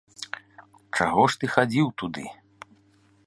Чаго ж ты хадзіў туды?